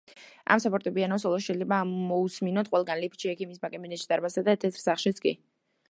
ამ საფორტეპიანო სოლოს შეიძლება მოუსმინოთ ყველგან, ლიფტში, ექიმის კაბინეტში, დარბაზებსა და თეთრ სახლშიც კი.